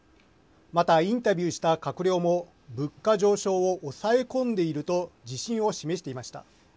また、インタビューした閣僚も物価上昇を抑え込んでいると自信を示していました。